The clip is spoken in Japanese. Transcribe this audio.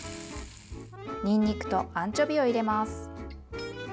にんにくとアンチョビを入れます。